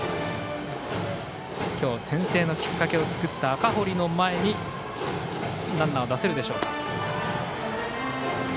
今日、先制のきっかけを作った赤堀の前にランナー出せるでしょうか。